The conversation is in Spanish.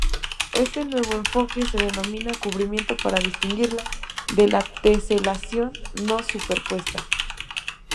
Este nuevo enfoque se denomina 'cubrimiento' para distinguirla de la 'teselación' no superpuesta.